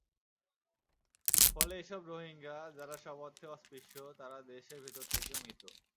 ফলে এসব রোহিঙ্গা, যারা সর্ব অর্থে অস্পৃশ্য, তারা দেশের ভেতরে থেকেও মৃত।